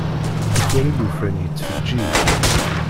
Tettwali llufan yettfeǧiǧ.